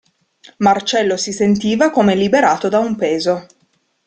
Marcello si sentiva come liberato da un peso.